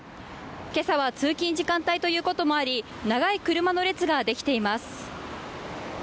けさは通勤時間帯ということもあり、長い車の列が出来ています。